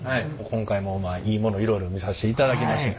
今回もいいものいろいろ見さしていただきました。